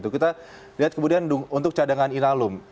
kita lihat kemudian untuk cadangan inalum